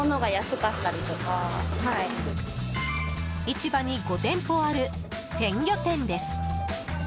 市場に５店舗ある鮮魚店です。